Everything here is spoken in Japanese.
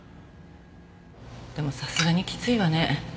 でもさすがにきついわね